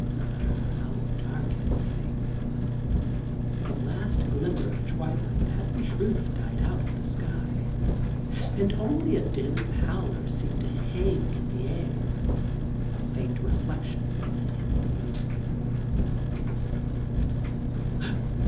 * How dark it is getting !' The last glimmer of twilight had in truth died out 71 THE GARDEN GOD of the sky, and only a dim pallor seemed to hang in the air, a faint reflection from the hidden moon.